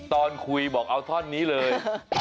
ตอนคุยบอกเอาท่อนนี้เลย